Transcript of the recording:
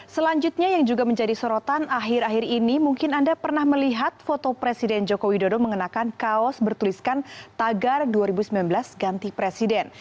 selanjutnya yang juga menjadi sorotan akhir akhir ini mungkin anda pernah melihat foto presiden joko widodo mengenakan kaos bertuliskan tagar dua ribu sembilan belas ganti presiden